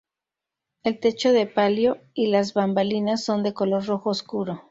El techo de palio y las bambalinas son de color rojo oscuro.